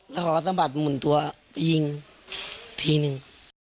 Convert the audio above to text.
แล้วเขาก็สะบัดหมุนตัวไปยิงทีนึง